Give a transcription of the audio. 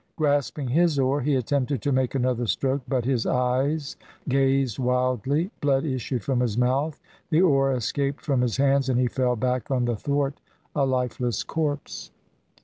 Grasping his oar he attempted to make another stroke, but his eyes gazed wildly, blood issued from his mouth, the oar escaped from his hands, and he fell back on the thwart a lifeless corpse.